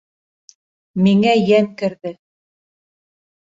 Миңә йән керҙе.